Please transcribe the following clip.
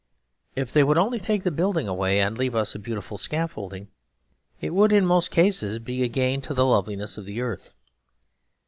If they would only take the building away and leave us a beautiful scaffolding, it would in most cases be a gain to the loveliness of earth.